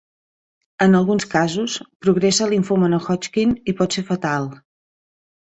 En alguns casos progressa a limfoma no Hodgkin i pot ser fatal.